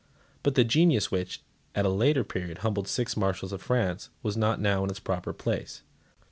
But the genius, which, at a later period, humbled six Marshals of France, was not now in its proper place.